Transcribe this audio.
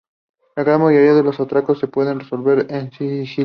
La gran mayoría de los atracos se puede resolver en sigilo.